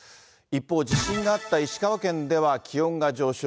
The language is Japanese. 一方、地震があった石川県では気温が上昇。